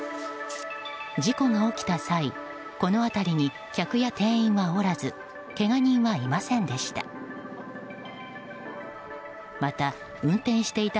事故の起きた際、この辺りに客や店員はおらずけが人はいませんでした。